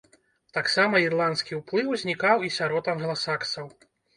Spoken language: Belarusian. Таксама ірландскі ўплыў знікаў і сярод англасаксаў.